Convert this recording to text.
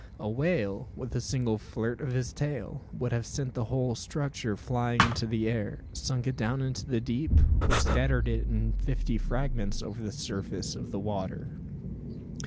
A whale, with a single flirt of his tail, would have sent the whole structure flying into the air, sunk it down into the deep, or scattered it in fifty fragments over the surface of the water.